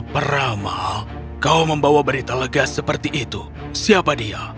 peramal kau membawa berita legas seperti itu siapa dia